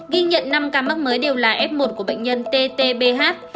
ghi nhận năm ca mắc mới đều là f một của bệnh nhân ttbh